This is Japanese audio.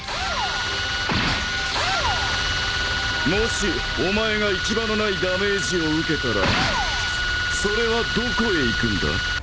もしお前が行き場のないダメージを受けたらそれはどこへいくんだ？